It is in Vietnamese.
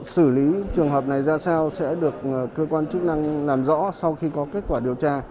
xử lý trường hợp này ra sao sẽ được cơ quan chức năng làm rõ sau khi có kết quả điều tra